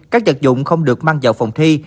các vật dụng không được mang vào phòng thi